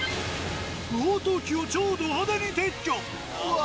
不法投棄を超ド派手に撤去。